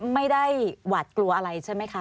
ไม่ได้หวาดกลัวอะไรใช่ไหมคะ